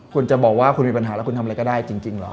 คุณจะบอกว่าคุณมีปัญหาแล้วคุณทำอะไรก็ได้จริงเหรอ